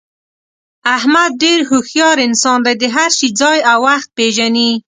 احمد ډېر هوښیار انسان دی، د هر شي ځای او وخت پېژني.